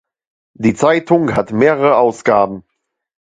Die Zeitung hat mehrere Ausgaben.